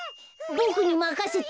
ボクにまかせて。